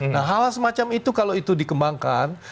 nah hal semacam itu kalau itu dikembangkan